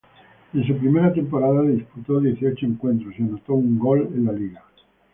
En su primera temporada disputó dieciocho encuentros y anotó un gol en la liga.